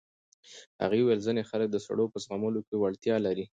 هغې وویل ځینې خلک د سړو په زغملو کې وړتیا لري.